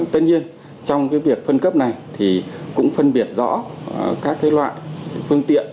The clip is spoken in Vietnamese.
tất nhiên trong cái việc phân cấp này thì cũng phân biệt rõ các cái loại phương tiện